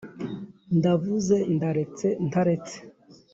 ndavuze, ndaretse ntaretse